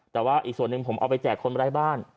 แต่ว่าอีกส่วนหนึ่งผมเอาไปแจกคนไร้บ้าน